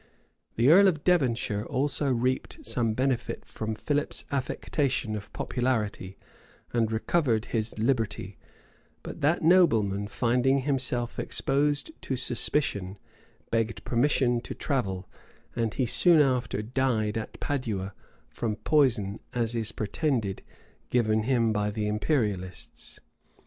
The earl of Devonshire also reaped some benefit from Philip's affectation of popularity, and recovered his liberty: but that nobleman, finding himself exposed to suspicion, begged permission to travel;[v] and he soon after died at Padua, from poison, as is pretended, given him by the imperialists.